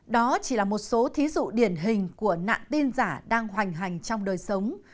đó chỉ là một số thí dụ điển hình của nạn tin giả đang hoành hành trong đời sống